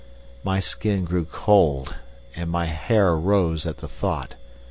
My skin grew cold and my hair rose at the thought.